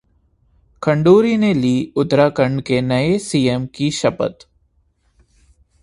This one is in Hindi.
खंडूरी ने ली उत्तराखंड के नए सीएम की शपथ